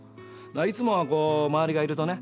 いつもは周りがいるとね